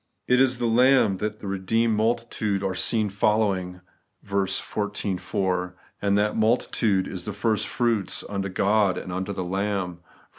It is the Larrib that the redeemed multitude are seen following (xiv. 4) ; and that multitude is the first fruits unto God and unto the Lamb (xiv.